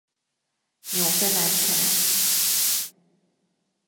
纽芬兰犬。